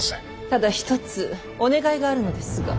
ただ一つお願いがあるのですが。